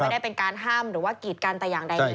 ไม่ได้เป็นการห้ามหรือว่ากีดกันแต่อย่างใด